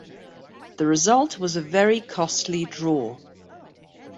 The result was a very costly draw.